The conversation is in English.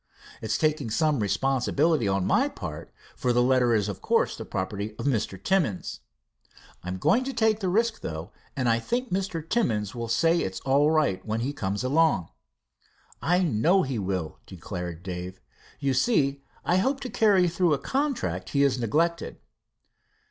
It's taking some responsibility on my part, for the letter is of course the property of Mr. Timmins. I'm going to take the risk, though, and I think Mr. Timmins will say it's all right when he comes along." "I know he will," declared Dave. "You see, I hope to carry through a contract he has neglected."